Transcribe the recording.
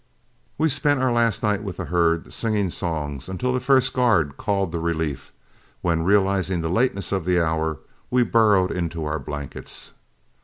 We spent our last night with the herd singing songs, until the first guard called the relief, when realizing the lateness of the hour, we burrowed into our blankets.